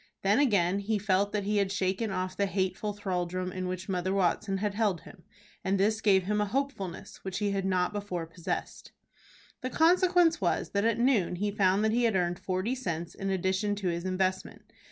Then again he felt that he had shaken off the hateful thraldom in which Mother Watson had held him, and this gave him a hopefulness which he had not before possessed. The consequence was that at noon he found that he had earned forty cents in addition to his investment.